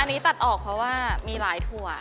อันนี้ตัดออกเพราะว่ามีหลายถั่ว